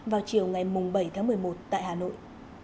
vào chiều ngày bảy tháng một mươi một tại hà nội